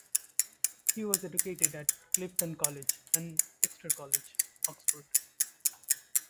He was educated at Clifton College and Exeter College, Oxford.